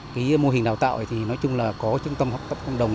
cái mô hình đào tạo thì nói chung là có trung tâm học tập cộng đồng